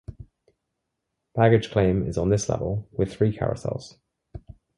Baggage claim is on this level, with three carousels.